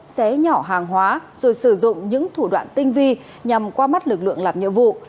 xé nhỏ hàng hóa rồi sử dụng những thủ đoạn tinh vi nhằm qua mắt lực lượng làm nhiệm vụ